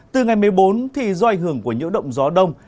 từ ngày một mươi bốn thì do ảnh hưởng của những động gió đông